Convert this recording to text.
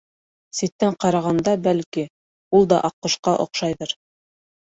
Ситтән ҡарағанда, бәлки, ул да аҡҡошҡа оҡшайҙыр.